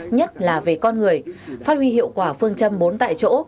nhất là về con người phát huy hiệu quả phương châm bốn tại chỗ